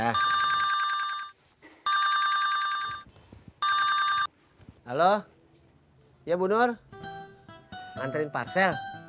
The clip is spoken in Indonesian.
halo ya bunur antrein parsel